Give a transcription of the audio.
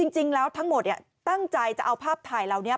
จริงแล้วทั้งหมดตั้งใจจะเอาภาพถ่ายเหล่านี้